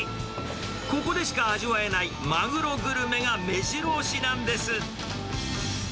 ここでしか味わえないマグログルメがめじろ押しなんです。